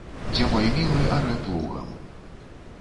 Дзе мой мілы арэ плугам.